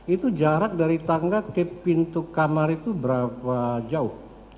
itu jarak dari tangga ke pintu kamar itu berapa jauh